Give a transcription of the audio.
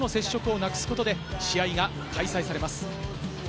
チーム関係者以外との接触をなくすことで試合が開催されます。